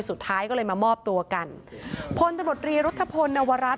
สุดท้ายก็เลยมามอบตัวกันพตรรุธพลนวรัส